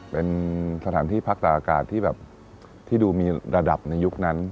เป็นสถานที่พักต่างอากาศที่แบบที่ดูมีระดับในยุคนั้น